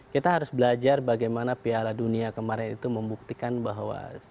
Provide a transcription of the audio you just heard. kita harus belajar bagaimana piala dunia kemarin itu membuktikan bahwa